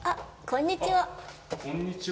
こんにちは。